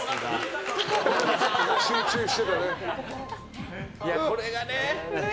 集中してたね。